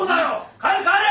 帰れ帰れ！